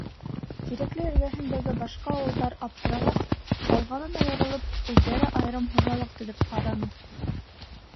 Тирәкле эргәһендәге башҡа ауылдар, аптырағас, «Алға»нан айырылып, үҙҙәре айырым хужалыҡ төҙөп ҡараны.